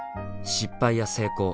失敗や成功。